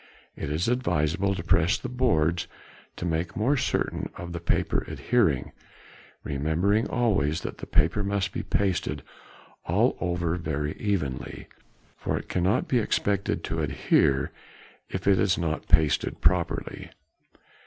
It is advisable to press the boards to make more certain of the paper adhering, remembering always that the paper must be pasted all over very evenly, for it cannot be expected to adhere if it is not pasted properly.